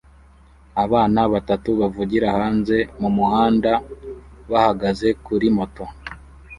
Abana batatu bavugira hanze mumuhanda bahagaze kuri moto